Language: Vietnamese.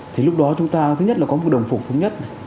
thì lúc đó chúng ta thứ nhất là có một đồng phục thống nhất này